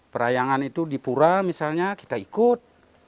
perayangan itu di pura misalnya kita ikut